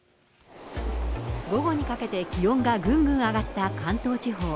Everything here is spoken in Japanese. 午後にかけて気温がぐんぐん上がった関東地方。